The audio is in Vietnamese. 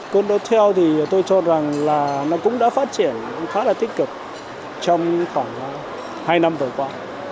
conotel thì tôi cho rằng là nó cũng đã phát triển khá là tích cực trong khoảng hai năm vừa qua